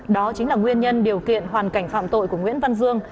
đó chính là nguyên nhân điều kiện hoàn cảnh phạm tội của nguyễn văn dương